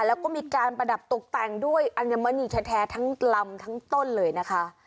แล้วก็มีการประดับตกแต่งด้วยอัญมณีแท้ทั้งลำทั้งต้นเลยนะคะ